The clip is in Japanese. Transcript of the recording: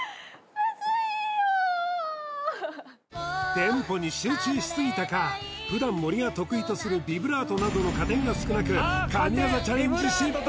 テンポに集中しすぎたか普段森が得意とするビブラートなどの加点が少なく神業チャレンジ失敗！